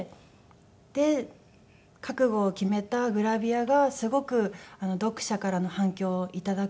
で覚悟を決めたグラビアがすごく読者からの反響をいただく事ができて。